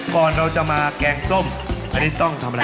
ก่อนเราจะมาแกงส้มอันนี้ต้องทำอะไร